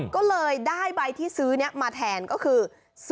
ก็เลยได้ใบที่ซื้อนี้มาแทนก็คือ